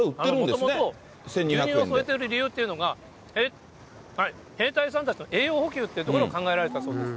もともと牛乳を添えてる理由っていうのが、兵隊さんたちの栄養補給っていうところも考えられたそうです。